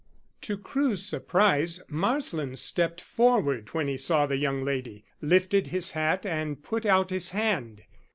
To Crewe's surprise Marsland stepped forward when he saw the young lady, lifted his hat and put out his hand.